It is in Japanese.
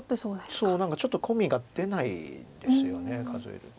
そう何かちょっとコミが出ないんですよね数えると。